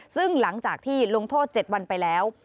ซึ่งหลังจากที่ลงโทษ๗วันไปแล้ว